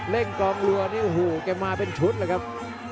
เล่งกองรัวนี้โหโกรธมาทุชอย่างเลยครับ